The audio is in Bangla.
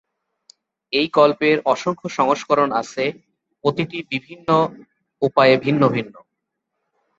এই গল্পের অসংখ্য সংস্করণ আছে, প্রতিটি বিভিন্ন উপায়ে ভিন্ন ভিন্ন।